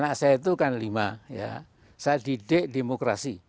anak saya itu kan lima ya saya didik demokrasi